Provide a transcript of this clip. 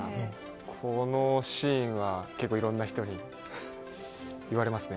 このシーンはいろんな人に言われますね。